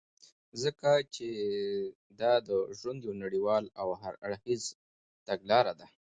ځكه چې دادژوند يو نړيواله او هر اړخيزه تګلاره ده .